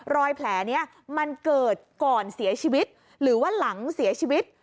รอยแผลนี้มันเกิดก่อนเสียชีวิตหรือว่าหลังเสียชีวิต